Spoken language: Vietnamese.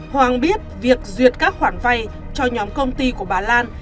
hoàng biết việc duyệt các khoản vay cho nhóm công ty của bà lan